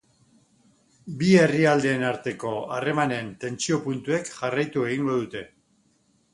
Bi herrialdeen arteko harremanen tentsio puntuek jarraitu egingo dute.